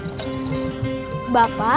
ihre peluang harus jegera